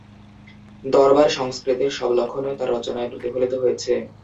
দরবার-সংস্কৃতির সব লক্ষণই তাঁর রচনায় প্রতিফলিত হয়েছে।